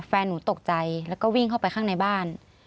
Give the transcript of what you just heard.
แฟนหนูตกใจแล้วก็วิ่งเข้าไปข้างในบ้าน